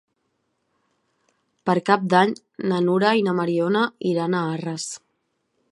Per Cap d'Any na Nura i na Mariona iran a Arres.